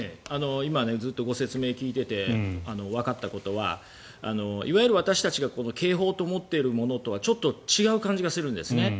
今、ずっとご説明を聞いていてわかったことはいわゆる私たちが警報と思っているものとはちょっと違う感じがするんですね。